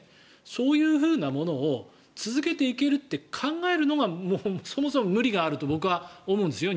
そういうふうなものを続けていけると考えるのがそもそも無理があると僕は思うんですよ。